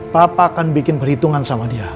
papa akan bikin perhitungan sama dia